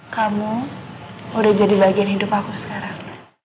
kamu udah jadi bagian hidup aku sekarang